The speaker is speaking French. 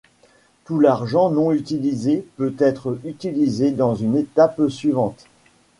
Tout l’argent non utilisé peut être utilisé dans une étape suivante.